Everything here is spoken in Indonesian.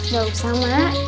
gak usah mak